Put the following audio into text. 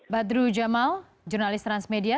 badru jamal jurnalis transmedia